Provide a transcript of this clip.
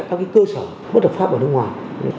các cơ sở bất hợp pháp ở nước ngoài